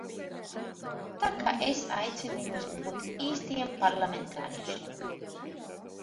Tā ka es aicinu jūs būt īstiem parlamentāriešiem!